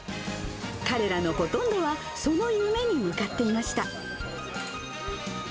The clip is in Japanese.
彼らのほとんどはその夢に向かっていました。